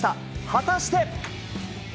果たして？